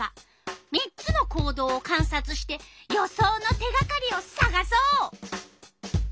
３つの行動をかんさつして予想の手がかりをさがそう！